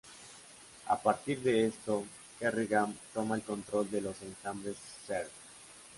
A partir de esto Kerrigan toma el control de los enjambres Zerg.